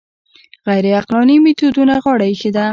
غیر عقلاني میتودونو غاړه ایښې ده